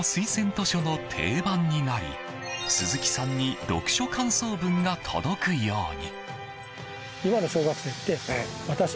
図書の定番になり鈴木さんに読書感想文が届くように。